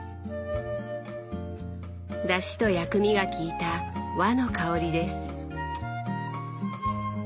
だしと薬味がきいた和の香りです。